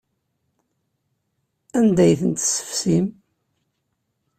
Anda ay ten-tessefsim?